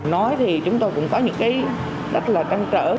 nói thì chúng tôi cũng có những cái rất là trăng trở